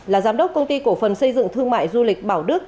là giám đốc công ty cổ phần xây dựng thương mại du lịch bảo đức